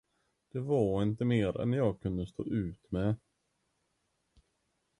Det var inte mer, än jag kunde stå ut med.